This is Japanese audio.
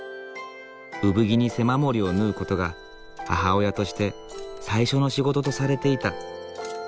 産着に背守りを縫うことが母親として最初の仕事とされていた。